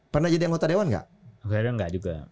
pernah jadi anggota dewan enggak enggak juga